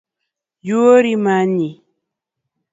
Yuori manyi